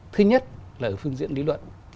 thứ nhất là ở phương diện lý luận